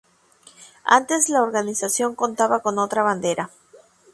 Antes la organización contaba con otra bandera.